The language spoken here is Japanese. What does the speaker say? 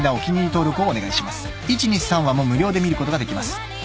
［１・２・３話も無料で見ることができます］